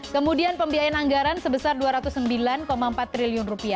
kemudian pembiayaan anggaran sebesar rp dua ratus sembilan empat triliun